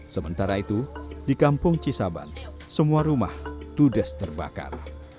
sementara itu di kampung kisaban semua rumah tudes terbakar